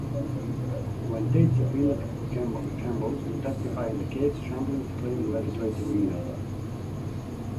When Tate subpoenaed Chambliss to testify in the case, Chambliss claimed legislative immunity.